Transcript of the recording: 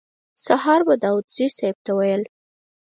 سهار به داوودزي صیب ته ویل.